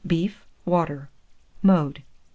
Beef, water. Mode.